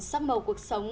sắc màu cuộc sống